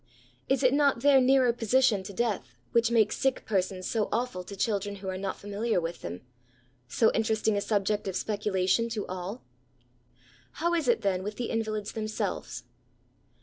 Is it not their nearer position to death which makes sick persons so awful to children who are not familiar with them, — so interesting a subject of speculation to all ? How is it then with the invalids themselves